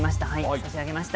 差し上げました。